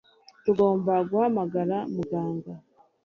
Tugomba guhamagara muganga